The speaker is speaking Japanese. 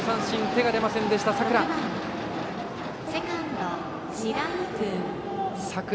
手が出ませんでした、佐倉。